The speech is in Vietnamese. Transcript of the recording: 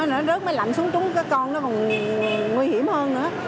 nó rớt mới lạnh xuống trúng cái con nó còn nguy hiểm hơn nữa